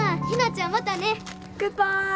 ひなちゃんまたね。